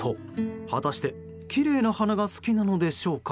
果たして、きれいな花が好きなのでしょうか。